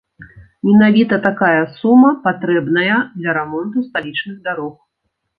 Менавіта такая сума патрэбная для рамонту сталічных дарог.